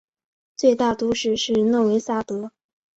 最大都市是诺维萨德。